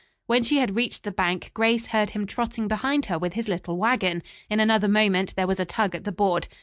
When she had reached the bank, Grace heard him trotting behind her with his little wagon. In another moment there was a tug at the board.